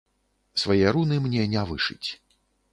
Свае руны мне не вышыць.